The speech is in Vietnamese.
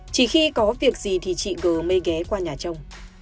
chỉ khi có việc gì thì chị gờ mê ghé qua nhà cháu